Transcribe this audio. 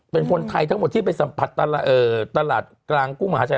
เป็นคนไทยทั้งหมดที่ไปสัมผัสตลาดกลางกุ้งมหาชัย